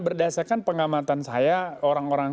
berdasarkan pengamatan saya orang orang